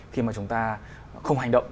khi mà chúng ta không hành động